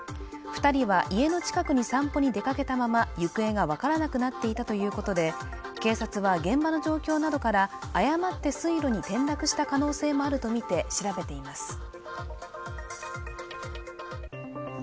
二人は家の近くに散歩に出かけたまま行方が分からなくなっていたということで警察は現場の状況などから誤って水路に転落した可能性もあるとみて調べています